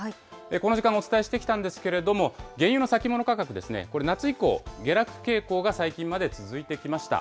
この時間もお伝えしてきたんですけれども、原油の先物価格ですね、これ、夏以降、下落傾向が最近まで続いてきました。